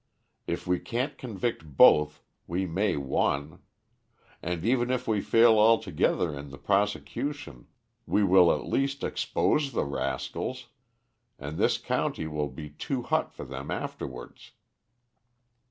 If we can't convict both, we may one; and even if we fail altogether in the prosecution, we will at least expose the rascals, and this county will be too hot for them afterwards.